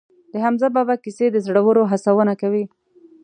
د حمزه بابا کیسې د زړورو هڅونه کوي.